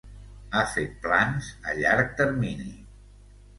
Ha fet plans a llarg termini.